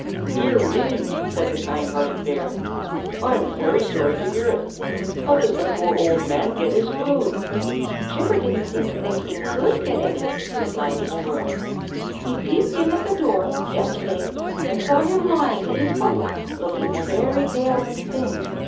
"Dear me!" said the kind hearted bear. "I am very sorry to hear it! How does the poor old man get his food?" "Chipper didn't seem to think he could get any," replied the squirrel. "He peeped in at the door, yesterday, and saw him lying in his bunk, looking very pale and thin.